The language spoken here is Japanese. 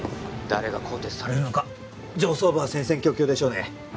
誰が更迭されるのか上層部は戦々恐々でしょうね